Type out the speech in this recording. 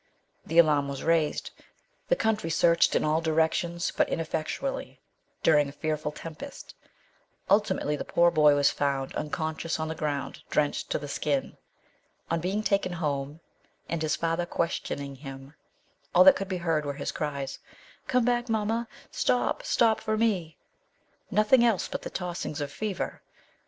The alarm was raised ; the country searched in all directions, but ineffectually, during a fearful tempest. Ultimately the poor boy was found unconscious on the ground, drenched to the skin. On his being taken Tiome, and his father questioning him, all that could be heard were his cries ' Come back, mamma ; stop, stop for me !" Nothing else but the tossings of fever.